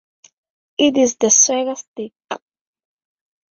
It is the swagger stick.